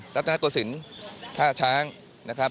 และตรงนักกดสินธาชางนะครับ